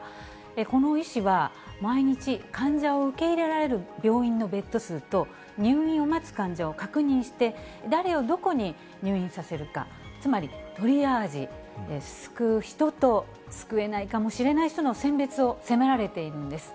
この医師は、毎日患者を受け入れられる病院のベッド数と、入院を待つ患者を確認して、誰をどこに入院させるか、つまり、トリアージ、救う人と救えないかもしれない人の選別を迫られているんです。